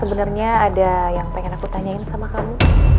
sebenarnya ada yang pengen aku tanyain sama kamu